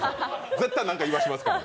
絶対何か言わせますから。